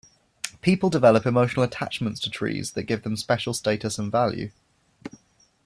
People develop emotional attachments to trees that give them special status and value.